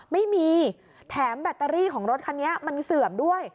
ไม่มีแถมแบตเตอรี่ของรถคันนี้มันเสื่อมด้วย